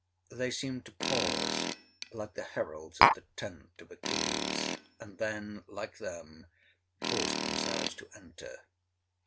They seemed to pause, like the heralds at the tent of Achilles, and then, like them, forced themselves to enter.